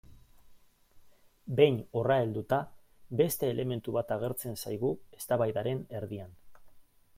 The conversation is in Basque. Behin horra helduta, beste elementu bat agertzen zaigu eztabaidaren erdian.